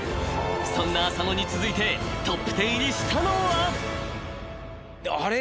［そんな浅野に続いてトップテン入りしたのは］